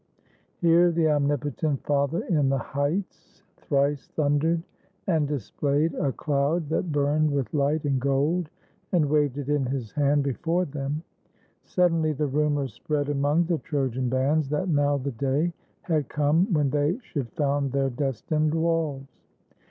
Here the Omnipotent Father in the heights 246 I THE ARRIVAL OF .ENEAS IN ITALY Thrice thundered, and displayed a cloud that burned With light and gold, and waved it in his hand Before them. Suddenly the rumor spread Among the Trojan bands, that now the day Had come when they should found their destined walls.